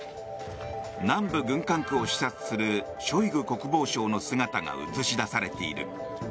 南部軍管区を視察するショイグ国防相の姿が映し出されている。